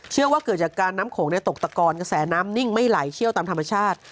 ว่าเกิดจากการน้ำโขงตกตะกอนกระแสน้ำนิ่งไม่ไหลเชี่ยวตามธรรมชาติ